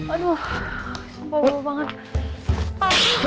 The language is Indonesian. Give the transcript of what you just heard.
aduh sumpah gue banget